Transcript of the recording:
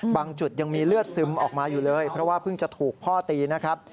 จุดยังมีเลือดซึมออกมาอยู่เลยเพราะว่าเพิ่งจะถูกพ่อตีนะครับ